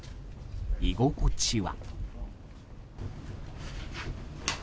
居心地は。